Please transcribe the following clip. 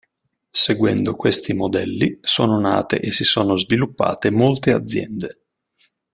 Seguendo questi modelli sono nate e si sono sviluppate molte aziende.